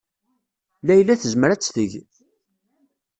Layla tezmer ad tt-teg.